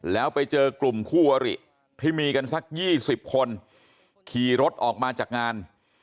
แล้วไปเจอกลุ่มคู่อริที่มีกันสัก๒๐คนขี่รถออกมาจากงาน